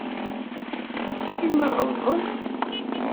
I ma ɣelḍen?